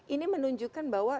ini menunjukkan bahwa